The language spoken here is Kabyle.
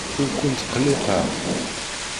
Ur kent-ttqelliqeɣ.